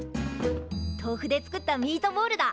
とうふで作ったミートボールだ。